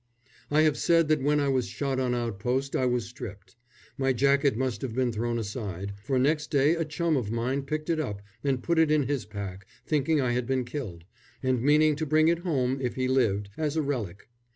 I have said that when I was shot on outpost I was stripped. My jacket must have been thrown aside, for next day a chum of mine picked it up and put it in his pack, thinking I had been killed, and meaning to bring it home, if he lived, as a relic.